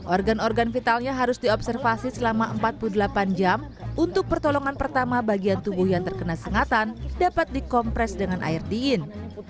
organ organ vitalnya harus diobservasi selama empat puluh delapan jam untuk pertolongan pertama bagian tubuh yang terkena sengatan dapat dikompres dengan air dingin